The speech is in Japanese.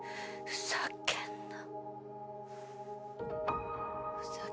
ふざけんな。